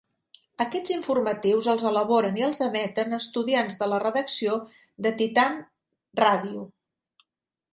Aquests informatius els elaboren i els emeten estudiants de la redacció de Titan Radio.